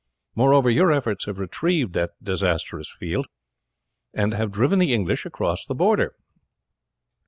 Moreover, your efforts have retrieved that disastrous field, and have driven the English across the Border."